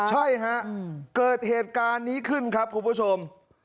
ใช่ฮะเกิดเหตุการณ์นี้ขึ้นครับคุณผู้ชม